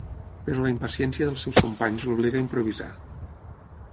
Però la impaciència dels seus companys l'obliga a improvisar.